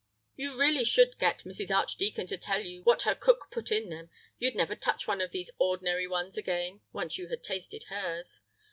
You really should get Mrs. Archdeacon to tell you what her cook put in them; you'd never touch one of these ordinary ones again, once you had tasted hers.